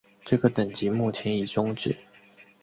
这个等级目前已终止。